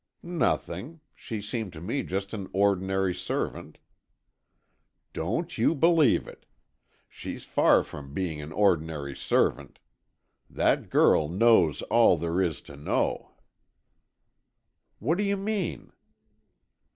"Nothing. She seemed to me just an ordinary servant——" "Don't you believe it! She's far from being an ordinary servant! That girl knows all there is to know." "What do you mean?"